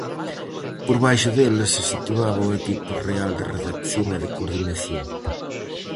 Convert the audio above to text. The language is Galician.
Por baixo deles se situaba o equipo real de redacción e de coordinación.